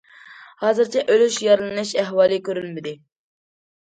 ھازىرچە ئۆلۈش، يارىلىنىش ئەھۋالى كۆرۈلمىدى.